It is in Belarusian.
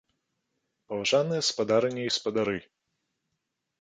Паважаныя спадарыні і спадары!